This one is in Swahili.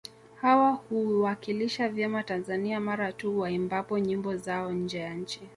Hawa huiwakilisha vyema Tanzania mara tu waimbapo nyimbo zao nje ya nchi